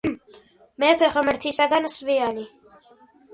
მეფე ღმრთისაგან სვიანი